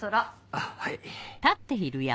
あっはい。